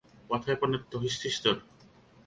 What happened to his sister?